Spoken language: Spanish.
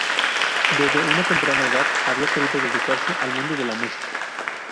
Desde una temprana edad había querido dedicarse al mundo de la música.